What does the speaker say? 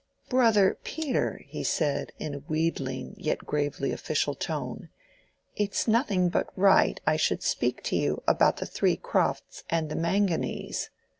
"Brother Peter," he said, in a wheedling yet gravely official tone, "It's nothing but right I should speak to you about the Three Crofts and the Manganese.